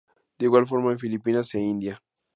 De igual forma en Filipinas e India.